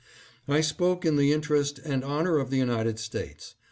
I spoke in the interest and honor of the United States.